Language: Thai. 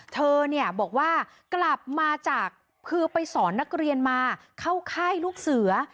เธอเนี่ยบอกว่ากลับมาจากคือไปสอนนักเรียนมาเข้าค่ายลูกเสือ